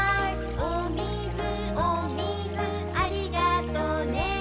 「おみずおみずありがとね」